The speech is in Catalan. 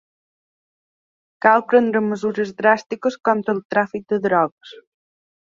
Cal prendre mesures dràstiques contra el tràfic de drogues.